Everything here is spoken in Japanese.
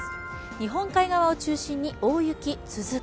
日本海側を中心に大雪続く。